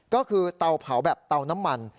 ก็คือเตาเผาแบบเตาน้ำมัน